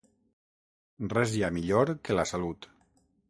Res hi ha millor que la salut.